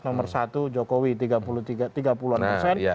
nomor satu jokowi tiga puluh an persen